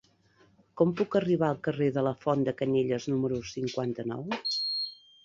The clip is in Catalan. Com puc arribar al carrer de la Font de Canyelles número cinquanta-nou?